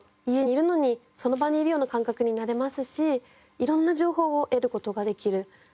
家にいるのにその場にいるような感覚になれますし色んな情報を得る事ができる。